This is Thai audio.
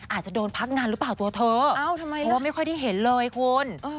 อาจจะโดนพักงานหรือเปล่าตัวเธอเพราะว่าไม่ค่อยได้เห็นเลยคุณ